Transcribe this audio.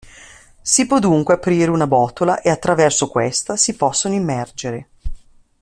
Si può dunque aprire una botola e attraverso questa si possono immergere.